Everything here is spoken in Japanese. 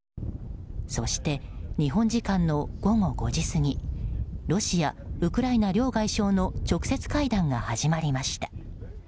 そして、日本時間の午後５時過ぎロシア、ウクライナ両外相の直接会談が始まりました。